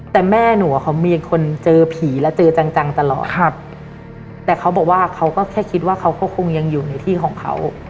แต่แม่หนูอ่ะเขามีคนเจอผีแล้วเจอจังจังตลอดครับแต่เขาบอกว่าเขาก็แค่คิดว่าเขาก็คงยังอยู่ในที่ของเขา